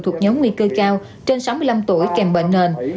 thuộc nhóm nguy cơ cao trên sáu mươi năm tuổi kèm bệnh nền